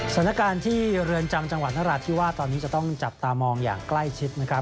สถานการณ์ที่เรือนจำจังหวัดนราธิวาสตอนนี้จะต้องจับตามองอย่างใกล้ชิดนะครับ